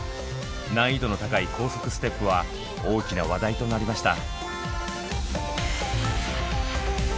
難易度の高い高速ステップは大きな話題となりました。